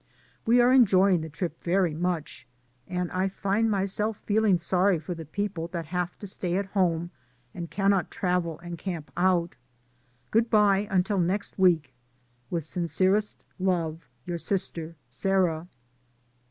We are enjoying the trip very much, and I find piyself feeling sorry for the people that have to stay at home, and cannot travel and camp out. Good bye until next week. With sincerest love. Your sister, Sarah.